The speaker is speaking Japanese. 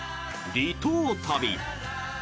離島旅。